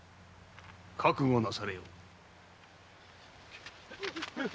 覚悟なされよ。